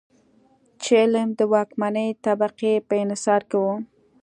چې علم د واکمنې طبقې په انحصار کې و.